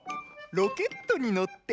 ロケットにのって！